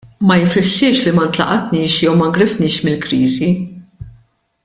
Ma jfissirx li ma ntlaqatniex jew ma ngrifniex mill-kriżi.